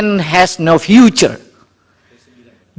dari dari dari dari